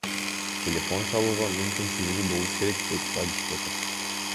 Телефон чалууга мүмкүнчүлүгү болуш керек, — дейт Багишбеков.